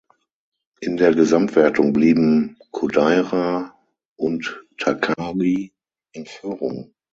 In der Gesamtwertung blieben Kodaira und Takagi in Führung.